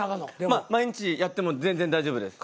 まあ毎日やっても全然大丈夫です。